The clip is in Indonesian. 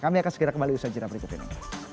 kami akan segera kembali bersajira berikut ini